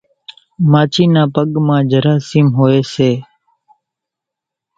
ماڇِي نان پڳان مان جراثيم هوئيَ سي۔